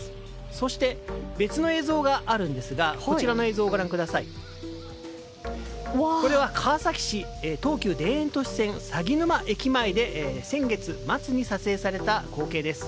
そして、別の映像があるんですがこれは川崎市東急田園都市線鷺沼駅前で先月末に撮影された光景です。